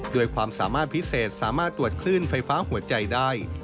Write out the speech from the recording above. ความสามารถพิเศษสามารถตรวจคลื่นไฟฟ้าหัวใจได้